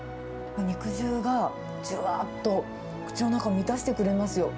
肉汁がじゅわーっと、口の中を満たしてくれますよ。